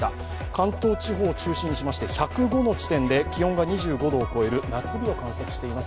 関東地方を中心にしまして１０５の地点で気温が２５度を超える夏日を観測しています。